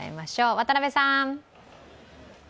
渡部さん！